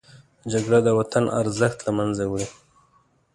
جګړه د وطن ارزښت له منځه وړي